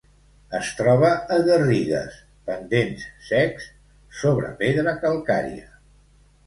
Es troba a garrigues, pendents secs, sobre pedra calcària.